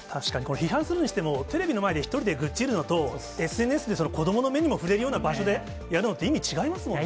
批判するにしても、テレビの前で１人で愚痴るのと、ＳＮＳで子どもの目にも触れるような場所でやるのって、意味違いますもんね。